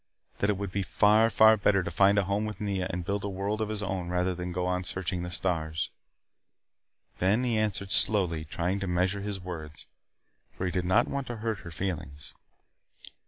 That it would be far, far better to find a home with Nea and build a world of his own than to go on searching the stars. Then he answered slowly, trying to measure his words, for he did not want to hurt her feelings.